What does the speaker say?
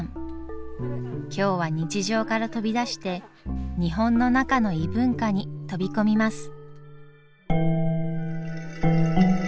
今日は日常から飛び出して日本の中の異文化に飛び込みます。